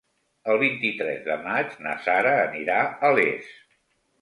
El vint-i-tres de maig na Sara anirà a Les.